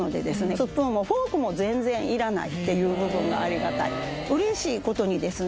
スプーンもフォークも全然いらないっていう部分がありがたい嬉しいことにですね